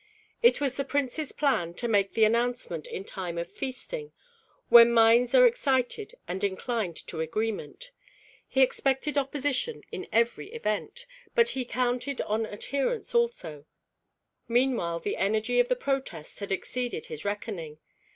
It was the prince's plan to make the announcement in time of feasting, when minds are excited and inclined to agreement. He expected opposition in every event, but he counted on adherents also; meanwhile the energy of the protest had exceeded his reckoning.